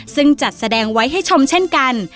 ซึ่งจัดแสดงไว้ให้ชมเช่นกัน